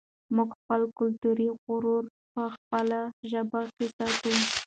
موږ خپل کلتوري غرور په خپله ژبه کې ساتو.